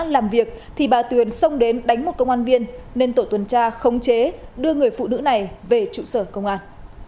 làm việc thì bà tuyền xông đến đánh một công an viên nên tổ tuần tra khống chế đưa người phụ nữ này về trụ sở công an